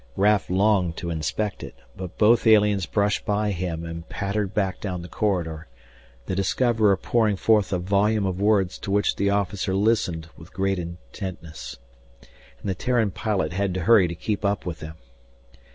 Raf longed to inspect it, but both aliens brushed by him and pattered back down the corridor, the discoverer pouring forth a volume of words to which the officer listened with great intentness. And the Terran pilot had to hurry to keep up with them.